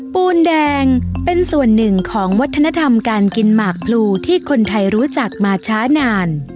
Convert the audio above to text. ปูนแดงเป็นส่วนหนึ่งของวัฒนธรรมการกินหมากพลูที่คนไทยรู้จักมาช้านาน